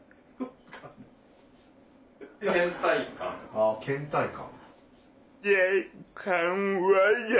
あ倦怠感。